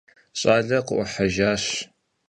Щӏалэр къыӏухьэжащ.